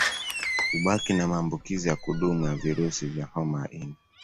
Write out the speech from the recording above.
Hubaki na maambukizi ya kudumu ya virusi vya homa ya ini